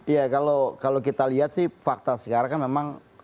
ya kalau kita lihat sih fakta sekarang kan memang